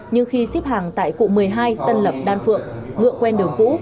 nhưng khi xếp hàng tại cụ một mươi hai tân lập đan phượng ngựa quen đường cũ